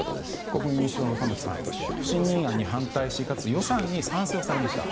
国民民主党の玉木さん不信任案に反対し予算に賛成をされました。